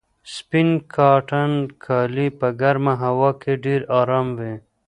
سپین کاټن کالي په ګرمه هوا کې ډېر ارام وي.